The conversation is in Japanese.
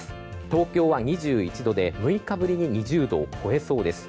東京は２１度で、６日ぶりに２０度を超えそうです。